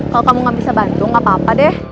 kalau kamu gak bisa bantu gak apa apa deh